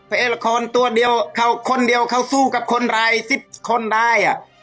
ไอ้ละครตัวเดียวเขาคนเดียวเขาสู้กับคนรายสิบคนได้อ่ะ